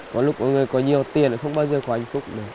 có lúc có người có nhiều tiền thì không bao giờ có hạnh phúc nữa